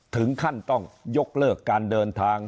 ถึงขั้นต้องยกเลิกการเดินทาง